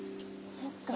そっか。